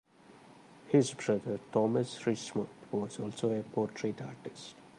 His brother Thomas Richmond was also a portrait artist.